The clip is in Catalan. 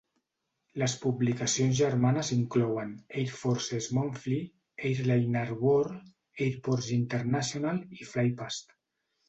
Les publicacions germanes inclouen Air Forces Monthly, Airliner World, Airports International i FlyPast.